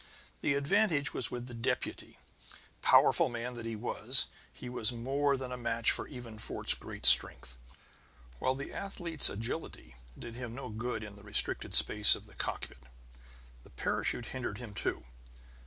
The advantage was with the deputy. Powerful man that he was, he was more than a match for even Fort's great strength, while the athlete's agility did him no good in the restricted space of the cockpit. The parachute hindered him, too.